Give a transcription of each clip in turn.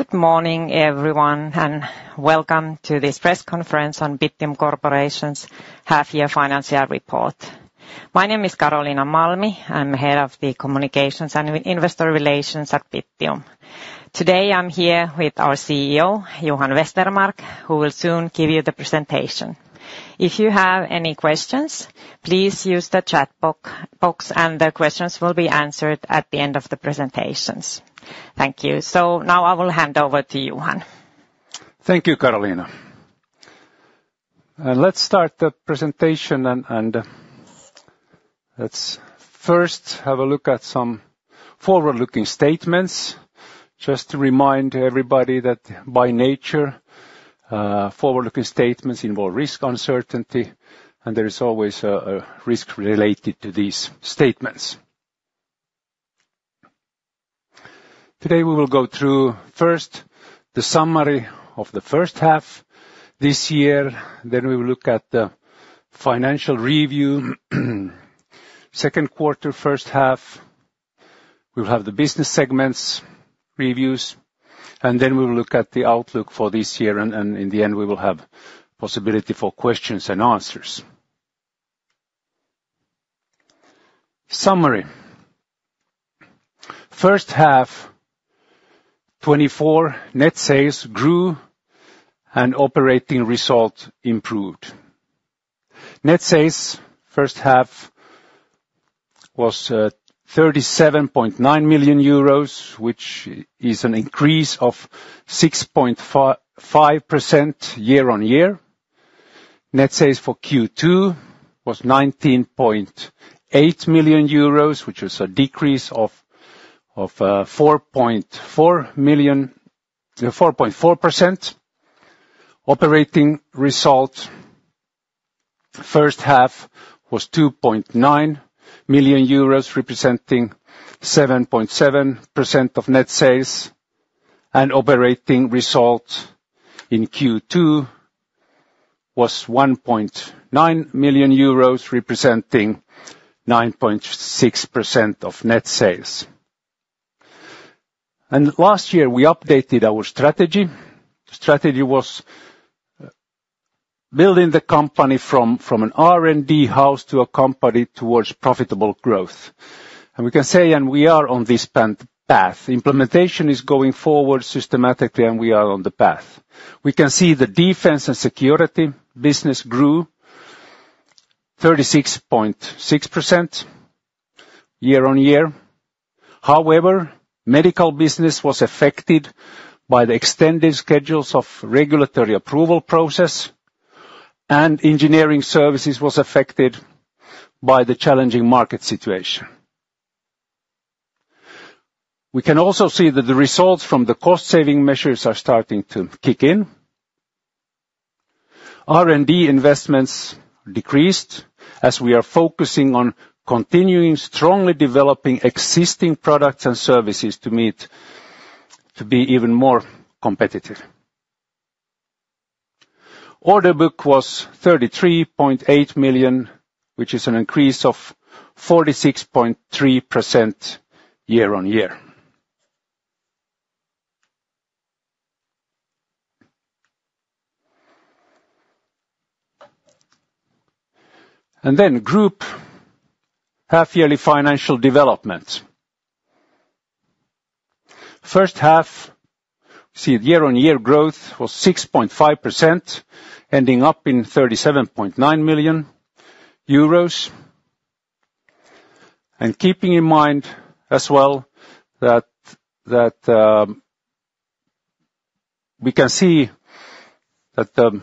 Good morning, everyone, and welcome to this press conference on Bittium Corporation's half-year financial report. My name is Karoliina Malmi. I'm Head of the Communications and Investor Relations at Bittium. Today, I'm here with our CEO, Johan Westermarck, who will soon give you the presentation. If you have any questions, please use the chat box, and the questions will be answered at the end of the presentations. Thank you. So now I will hand over to Johan. Thank you, Karoliina. Let's start the presentation and let's first have a look at some forward-looking statements. Just to remind everybody that by nature, forward-looking statements involve risk uncertainty, and there is always a risk related to these statements. Today, we will go through, first, the summary of the first half this year, then we will look at the financial review, second quarter, first half. We'll have the business segments reviews, and then we will look at the outlook for this year, and in the end, we will have possibility for questions and answers. Summary: First half 2024 net sales grew and operating result improved. Net sales first half was 37.9 million euros, which is an increase of 6.5% year-on-year. Net sales for Q2 was 19.8 million euros, which was a decrease of 4.4 million 4.4%. Operating result, first half was 2.9 million euros, representing 7.7% of net sales, and operating result in Q2 was 1.9 million euros, representing 9.6% of net sales. Last year, we updated our strategy. Strategy was building the company from an R&D house to a company towards profitable growth. We can say, and we are on this path. Implementation is going forward systematically, and we are on the path. We can see the Defense and Security business grew 36.6% year-on-year. However, Medical business was affected by the extended schedules of regulatory approval process, and Engineering Services was affected by the challenging market situation. We can also see that the results from the cost-saving measures are starting to kick in. R&D investments decreased, as we are focusing on continuing, strongly developing existing products and services to meet, to be even more competitive. Order book was 33.8 million, which is an increase of 46.3% year-on-year. Group half yearly financial development. First half, see, year-on-year growth was 6.5%, ending up in 37.9 million euros. And keeping in mind as well, that, that, we can see that,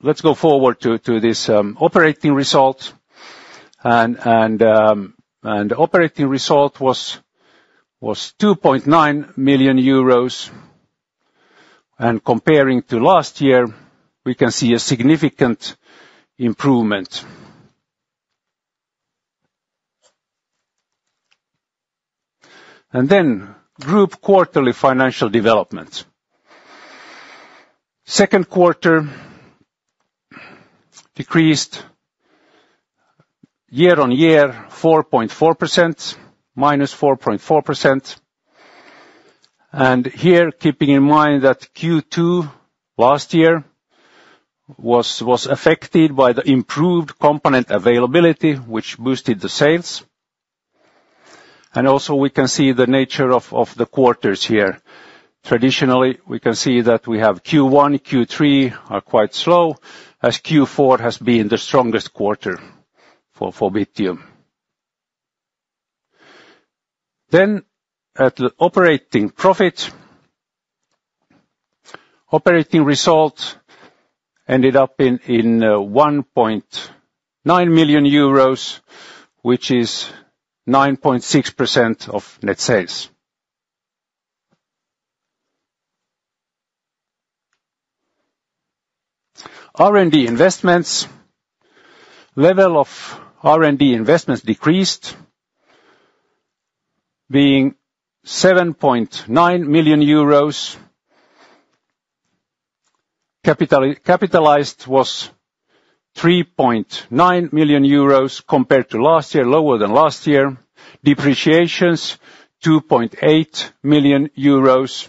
let's go forward to, to this, operating result, and, and, and operating result was, was 2.9 million euros. And comparing to last year, we can see a significant improvement. Group quarterly financial development. Second quarter decreased year-on-year 4.4%, -4.4%. And here, keeping in mind that Q2 last year was affected by the improved component availability, which boosted the sales. And also, we can see the nature of the quarters here. Traditionally, we can see that we have Q1, Q3 are quite slow, as Q4 has been the strongest quarter for Bittium. Then, the operating profit, operating result ended up in 1.9 million euros, which is 9.6% of net sales. R&D investments. Level of R&D investments decreased, being 7.9 million euros. Capitalized was 3.9 million euros compared to last year, lower than last year. Depreciations, 2.8 million euros,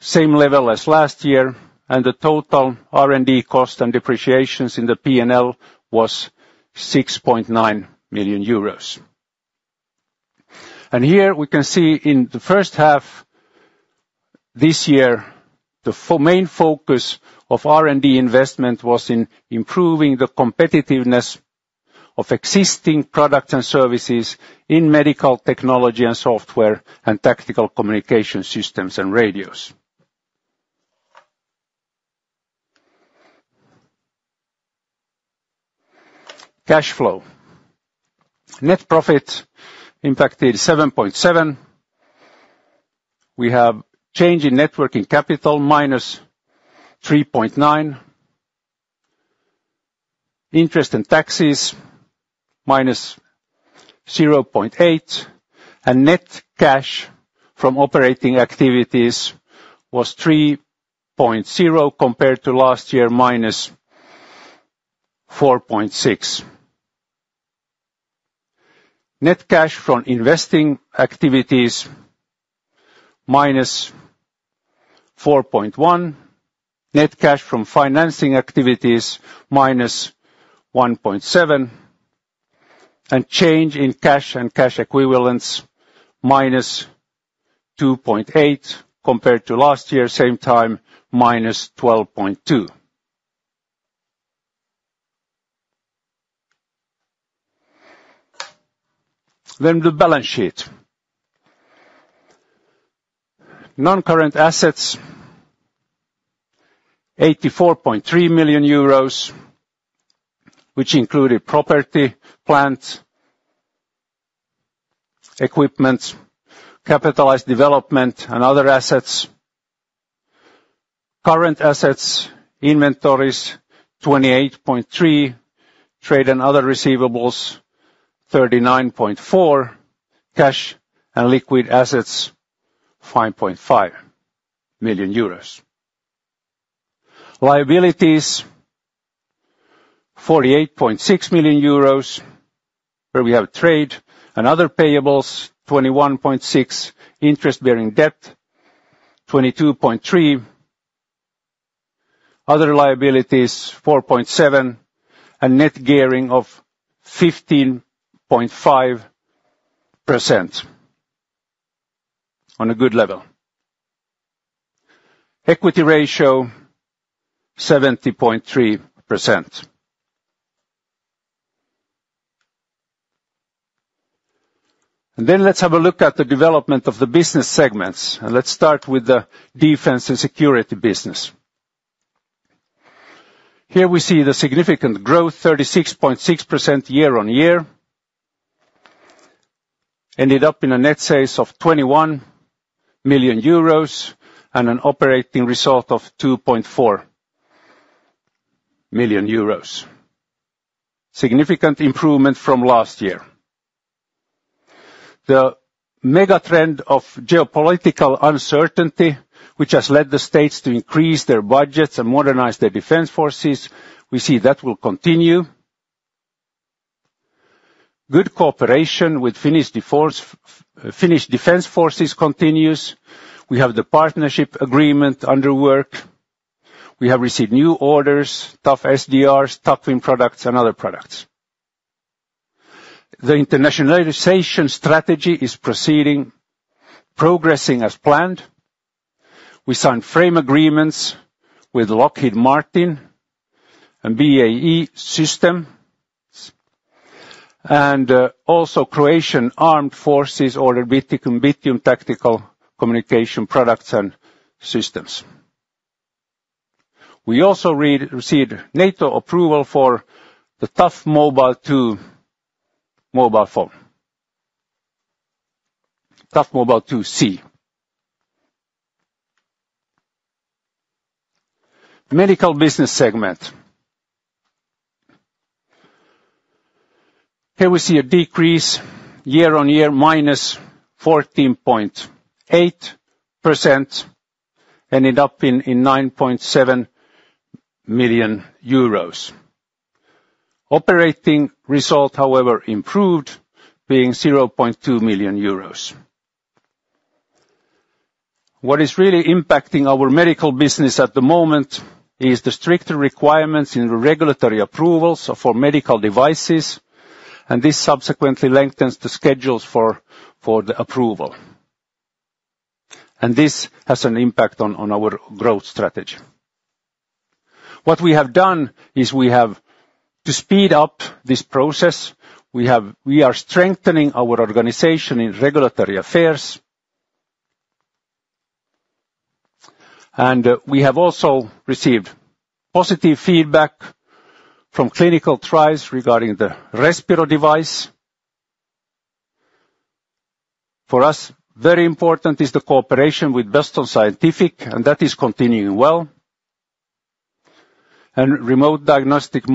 same level as last year, and the total R&D cost and depreciations in the P&L was 6.9 million euros. And here we can see in the first half this year, the main focus of R&D investment was in improving the competitiveness of existing products and services in medical technology and software, and tactical communication systems and radios. Cash flow. Net profit impacted 7.7. We have change in net working capital, -3.9. Interest and taxes, -0.8, and net cash from operating activities was 3.0 compared to last year, -4.6. Net cash from investing activities, -4.1. Net cash from financing activities, -1.7. And change in cash and cash equivalents, -2.8 compared to last year, same time, -12.2. Then the balance sheet. Non-current assets, EUR 84.3 million, which included property, plant, equipment, capitalized development, and other assets. Current assets, inventories, 28.3 million, trade and other receivables, 39.4 million, cash and liquid assets, 5.5 million euros. Liabilities, 48.6 million euros, where we have trade and other payables, 21.6 million, interest-bearing debt, 22.3 million, other liabilities, 4.7 million, and net gearing of 15.5%. On a good level. Equity ratio, 70.3%. And then let's have a look at the development of the business segments, and let's start with the defense and security business. Here we see the significant growth, 36.6% year-on-year, ended up in a net sales of 21 million euros and an operating result of 2.4 million euros. Significant improvement from last year. The mega trend of geopolitical uncertainty, which has led the states to increase their budgets and modernize their defense forces, we see that will continue. Good cooperation with Finnish Defence Forces continues. We have the partnership agreement under work. We have received new orders, Tough SDRs, TAC WIN products, and other products. The internationalization strategy is proceeding, progressing as planned. We signed frame agreements with Lockheed Martin and BAE Systems, and also, Croatian Armed Forces ordered Bittium tactical communication products and systems. We also received NATO approval for the Tough Mobile 2 mobile phone. Tough Mobile 2C. Medical business segment. Here we see a decrease year-on-year, minus 14.8%, ended up in 9.7 million EUR. Operating result, however, improved, being 0.2 million EUR. What is really impacting our medical business at the moment is the stricter requirements in the regulatory approvals for medical devices, and this subsequently lengthens the schedules for the approval. This has an impact on our growth strategy. What we have done is we have to speed up this process. We are strengthening our organization in regulatory affairs. We have also received positive feedback from clinical trials regarding the Respiro device. For us, very important is the cooperation with Boston Scientific, and that is continuing well. The underlying remote diagnostic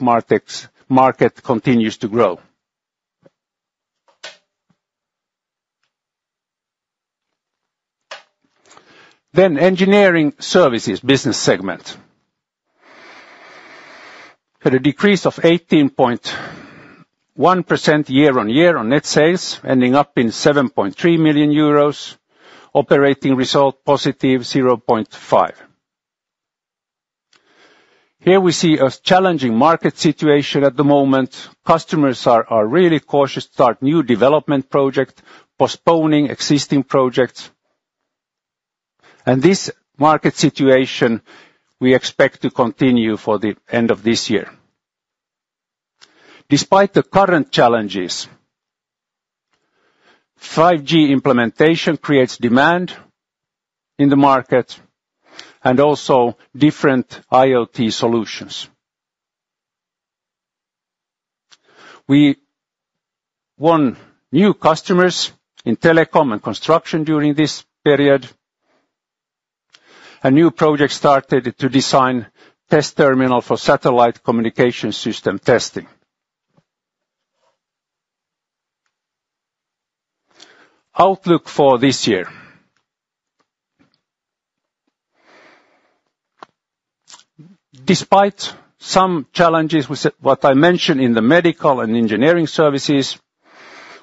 market continues to grow. Then Engineering Services business segment. Had a decrease of 18.1% year-on-year on net sales, ending up in 7.3 million euros. Operating result +0.5. Here we see a challenging market situation at the moment. Customers are really cautious to start new development project, postponing existing projects. This market situation, we expect to continue for the end of this year. Despite the current challenges, 5G implementation creates demand in the market, and also different IoT solutions. We won new customers in telecom and construction during this period. A new project started to design test terminal for satellite communication system testing. Outlook for this year. Despite some challenges, we saw what I mentioned in the medical and Engineering Services,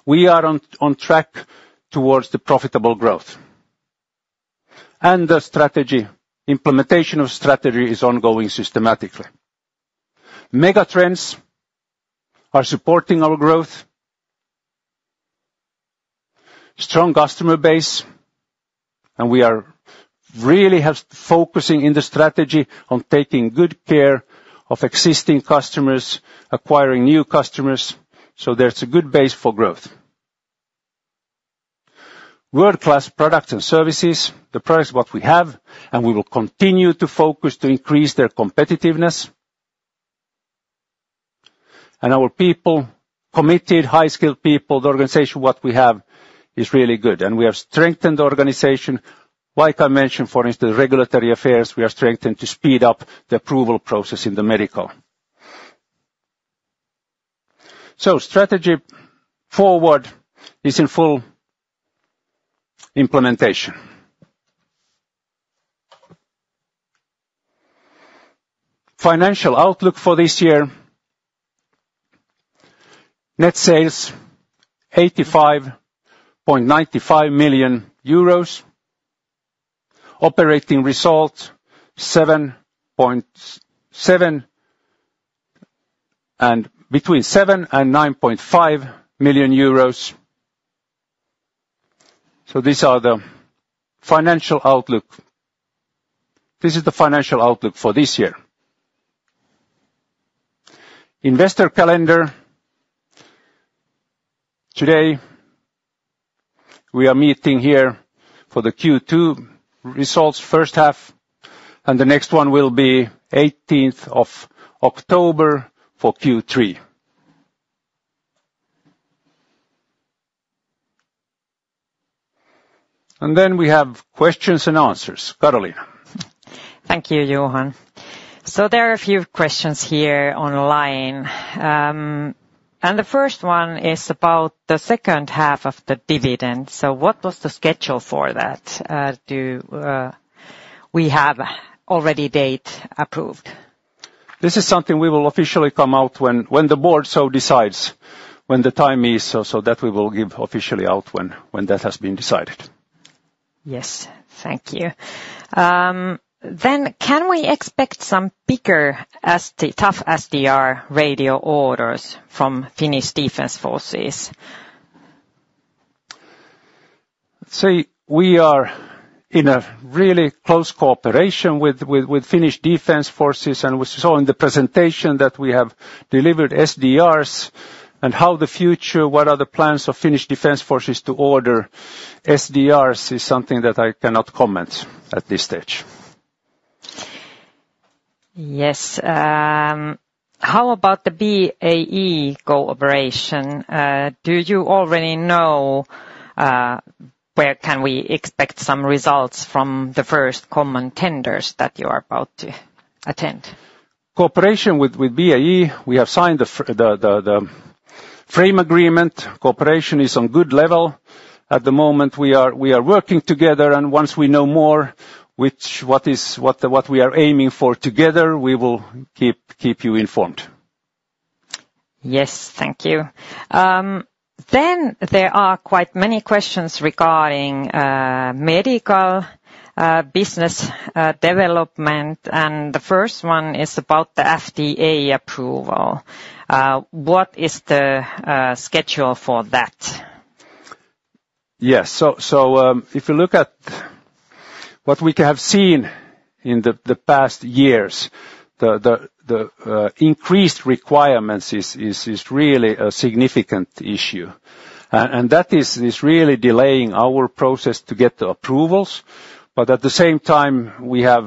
we are on track towards the profitable growth. The strategy, implementation of strategy is ongoing systematically. Megatrends are supporting our growth. Strong customer base, and we are really focusing in the strategy on taking good care of existing customers, acquiring new customers, so there's a good base for growth. World-class products and services, the products what we have, and we will continue to focus to increase their competitiveness. Our people, committed, high-skilled people, the organization what we have is really good, and we have strengthened the organization. Like I mentioned, for instance, regulatory affairs, we have strengthened to speed up the approval process in the medical. Strategy forward is in full implementation. Financial outlook for this year, net sales, 85.95 million euros. Operating result, 7.7 and between 7 and 9.5 million EUR. These are the financial outlook. This is the financial outlook for this year. Investor calendar, today, we are meeting here for the Q2 results, first half, and the next one will be eighteenth of October for Q3. And then we have questions and answers. Karoliina? Thank you, Johan. So there are a few questions here online, and the first one is about the second half of the dividend. So what was the schedule for that? Do we have already date approved? This is something we will officially come out when the board so decides, when the time is. So that we will give officially out when that has been decided. Yes. Thank you. Then, can we expect some bigger ST, Tough SDR radio orders from Finnish Defence Forces? We are in a really close cooperation with Finnish Defence Forces, and we saw in the presentation that we have delivered SDRs and how the future, what are the plans of Finnish Defense Forces to order SDRs is something that I cannot comment at this stage. Yes, how about the BAE cooperation? Do you already know where can we expect some results from the first common tenders that you are about to attend? Cooperation with BAE, we have signed the frame agreement. Cooperation is on good level. At the moment, we are working together, and once we know more, what we are aiming for together, we will keep you informed. Yes. Thank you. Then there are quite many questions regarding medical business development, and the first one is about the FDA approval. What is the schedule for that? Yes, so if you look at what we have seen in the past years, the increased requirements is really a significant issue. And that is really delaying our process to get the approvals. But at the same time, we have...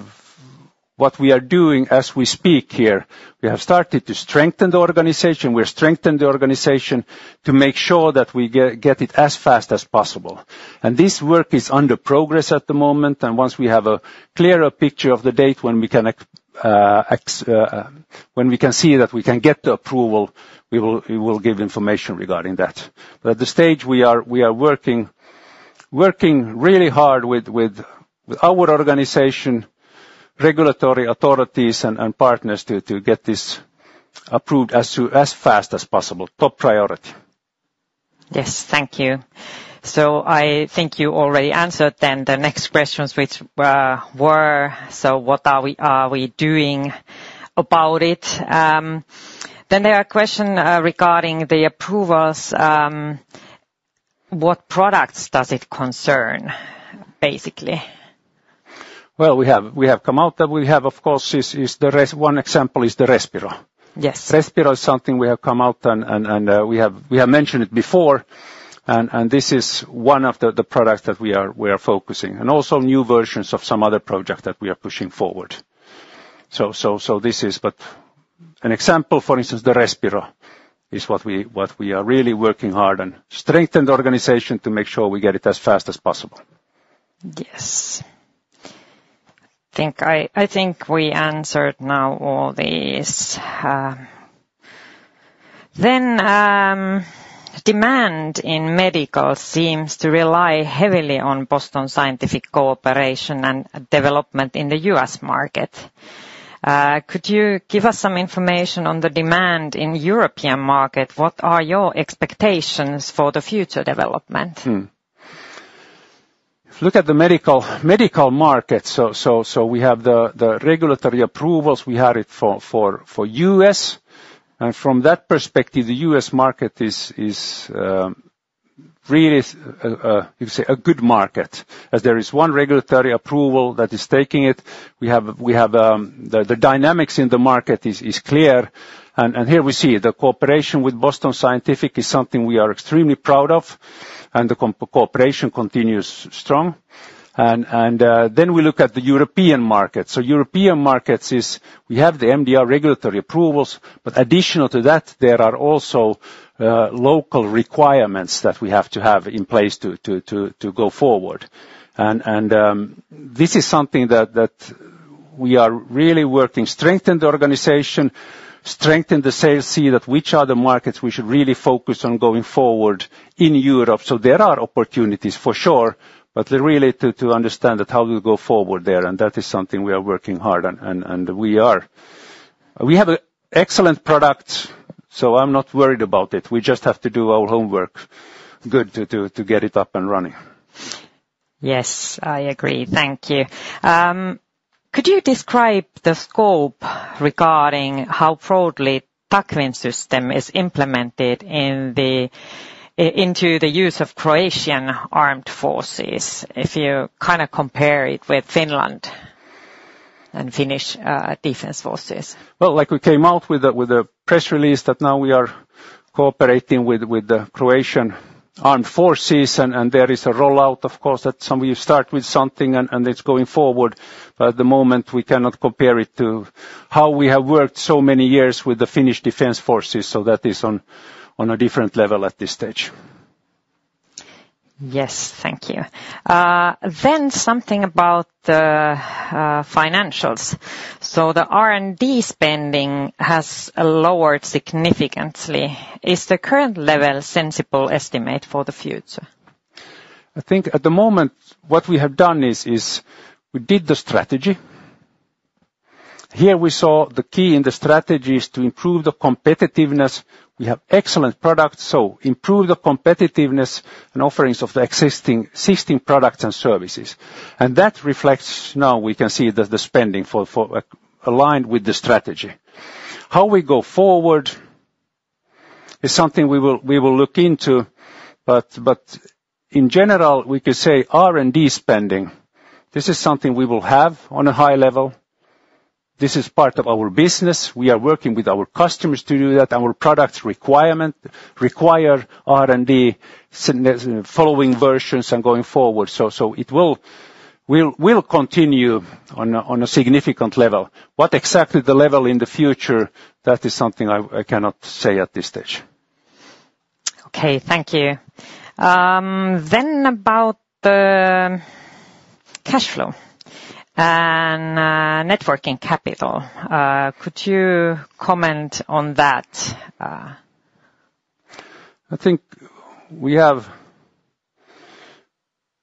What we are doing as we speak here, we have started to strengthen the organization. We have strengthened the organization to make sure that we get it as fast as possible. And this work is under progress at the moment, and once we have a clearer picture of the date when we can see that we can get the approval, we will give information regarding that. But at the stage we are working really hard with our organization, regulatory authorities, and partners to get this approved as fast as possible. Top priority! Yes, thank you. So I think you already answered then the next questions, which were: so what are we, are we doing about it? Then there are question regarding the approvals, what products does it concern, basically? Well, we have come out that we have, of course, one example is the Respiro. Yes. Respiro is something we have come out and we have mentioned it before, and this is one of the products that we are focusing, and also new versions of some other project that we are pushing forward. So this is but an example, for instance, the Respiro is what we are really working hard on, strengthened the organization to make sure we get it as fast as possible. Yes. I think we answered now all these. Then, demand in medical seems to rely heavily on Boston Scientific cooperation and development in the U.S. market. Could you give us some information on the demand in European market? What are your expectations for the future development? If you look at the medical market, so we have the regulatory approvals we had it for U.S. and from that perspective, the U.S. market is really you say a good market, as there is one regulatory approval that is taking it. We have the dynamics in the market is clear, and here we see the cooperation with Boston Scientific is something we are extremely proud of, and the cooperation continues strong. And then we look at the European market. So European markets is, we have the MDR regulatory approvals, but additional to that, there are also local requirements that we have to have in place to go forward. This is something that we are really working, strengthen the organization, strengthen the sales, see that which are the markets we should really focus on going forward in Europe. So there are opportunities, for sure, but really to understand how we go forward there, and that is something we are working hard on, and we are. We have an excellent product, so I'm not worried about it. We just have to do our homework good to get it up and running. Yes, I agree. Thank you. Could you describe the scope regarding how broadly TAC WIN system is implemented into the use of Croatian Armed Forces, if you kind of compare it with Finland and Finnish Defence Forces? Well, like we came out with a press release that now we are cooperating with the Croatian Armed Forces, and there is a rollout, of course, that some of you start with something and it's going forward, but at the moment, we cannot compare it to how we have worked so many years with the Finnish Defense Forces, so that is on a different level at this stage. Yes, thank you. Then something about the financials. So the R&D spending has lowered significantly. Is the current level a sensible estimate for the future? I think at the moment, what we have done is we did the strategy. Here we saw the key in the strategy is to improve the competitiveness. We have excellent products, so improve the competitiveness and offerings of the existing products and services. And that reflects now we can see the spending for aligned with the strategy. How we go forward is something we will look into, but in general, we could say R&D spending, this is something we will have on a high level. This is part of our business. We are working with our customers to do that. Our products require R&D significant following versions and going forward. So it will continue on a significant level. What exactly the level in the future, that is something I cannot say at this stage. Okay, thank you. Then, about the cash flow and net working capital, could you comment on that? I think we have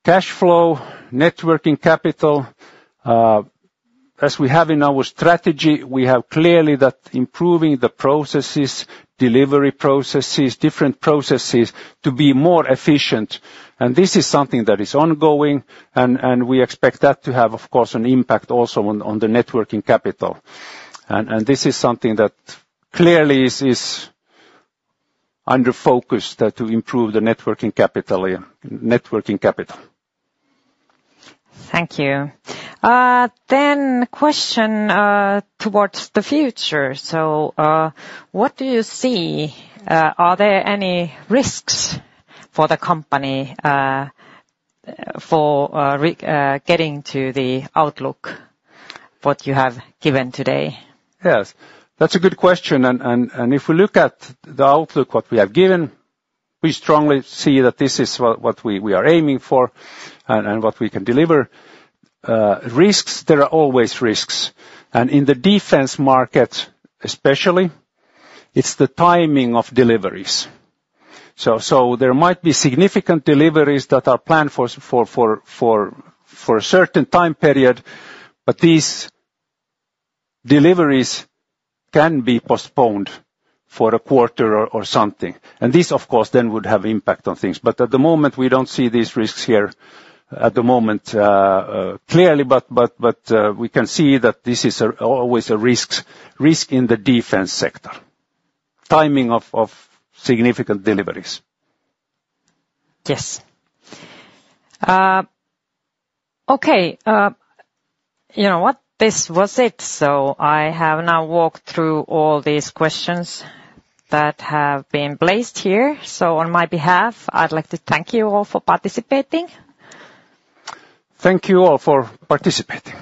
cash flow, net working capital, as we have in our strategy, we have clearly that improving the processes, delivery processes, different processes to be more efficient, and this is something that is ongoing, and, and we expect that to have, of course, an impact also on, on the net working capital. And, and this is something that clearly is, is under focus, to improve the net working capital, yeah, net working capital. Thank you. Then question towards the future: so, what do you see, are there any risks for the company, for getting to the outlook, what you have given today? Yes, that's a good question. And if we look at the outlook what we have given, we strongly see that this is what we are aiming for and what we can deliver. Risks, there are always risks, and in the defense market, especially, it's the timing of deliveries. So there might be significant deliveries that are planned for a certain time period, but these deliveries can be postponed for a quarter or something. And this, of course, then would have impact on things. But at the moment, we don't see these risks here, at the moment, clearly, but we can see that this is always a risk in the defense sector, timing of significant deliveries. Yes. Okay, you know what? This was it. So I have now walked through all these questions that have been placed here. So on my behalf, I'd like to thank you all for participating. Thank you all for participating.